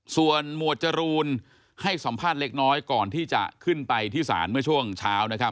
ส่วนหมวดจรูนให้สัมภาษณ์เล็กน้อยก่อนที่จะขึ้นไปที่ศาลเมื่อช่วงเช้านะครับ